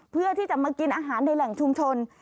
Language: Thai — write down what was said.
เพื่อที่จะมากินอาหารในแหล่งชุมชน